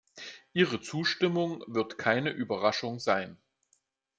Ihre Zustimmung wird keine Überraschung sein.